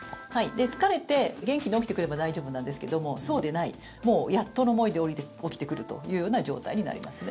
で、疲れて元気に起きてくれば大丈夫なんですけれどもそうでないやっとの思いで起きてくるというような状態になりますね。